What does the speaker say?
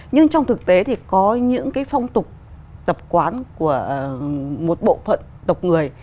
nhưng trong thực tế thì có những cái phong tục tập quán của một bộ phận tộc người